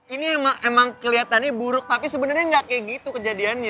ini emang keliatannya buruk tapi sebenernya gak kayak gitu kejadiannya